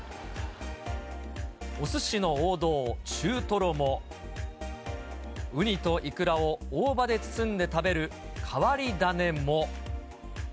おすしの王道、中トロも、ウニとイクラを大葉で包んで食べる変わり種も。